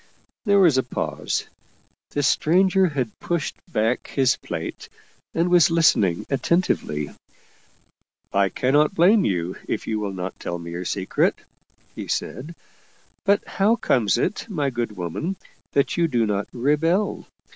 There was a pause. The stranger had pushed back his plate and was listening attentively. " I cannot blame you if you will not tell me your secret/' he said. " But how comes it, my good woman, that you do not rebel?